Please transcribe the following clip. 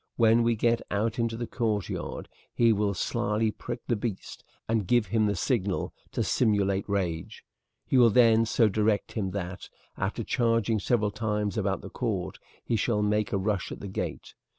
When we get out into the courtyard he will slyly prick the beast, and give him the signal to simulate rage; he will then so direct him that, after charging several times about the court, he shall make a rush at the gate.